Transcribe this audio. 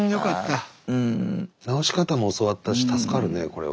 治し方も教わったし助かるねこれは。